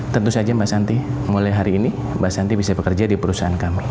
tentu saja mbak santi mulai hari ini mbak santi bisa bekerja di perusahaan kami